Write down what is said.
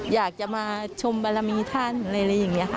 อยากจะมาชมบารมีท่านอะไรอย่างนี้ค่ะ